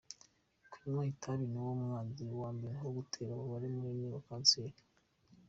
Kunywa itabi niwo mwanzi wa mbere mu gutera umubare mununi wa kanseri.